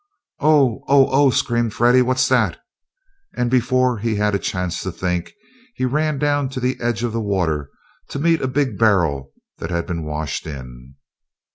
"Oh, oh, oh!" screamed Freddie. "What's that?" and before he had a chance to think, he ran down to the edge of the water to meet a big barrel that had been washed in.